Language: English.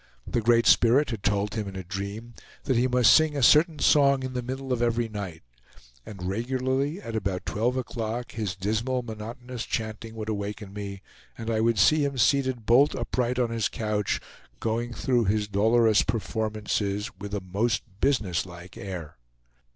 The Great Spirit had told him in a dream that he must sing a certain song in the middle of every night; and regularly at about twelve o'clock his dismal monotonous chanting would awaken me, and I would see him seated bolt upright on his couch, going through his dolorous performances with a most business like air.